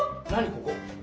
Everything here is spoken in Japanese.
ここ。